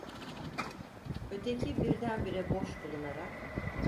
Öteki birdenbire boş bulunarak: